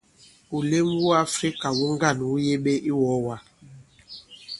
Wùlem wu Àfrikà wu ŋgǎn wu yebe i iwɔ̄ɔwàk.